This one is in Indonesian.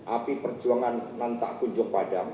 api perjuangan nantak kunjung padang